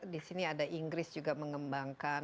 disini ada inggris juga mengembangkan